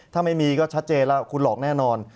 ถ้าไม่มีก็ชัดเจนแล้วคุณหลอกแน่นอน